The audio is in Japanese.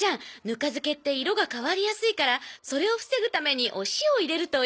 ぬか漬けって色が変わりやすいからそれを防ぐためにお塩を入れるといいそうよ。